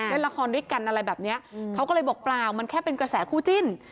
เล่นละครด้วยกันอะไรแบบนี้เขาก็เลยบอกเปล่ามันแค่เป็นกระแสคู่จิ้น